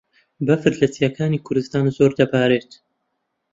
بەفر لە چیاکانی کوردستان زۆر دەبارێت.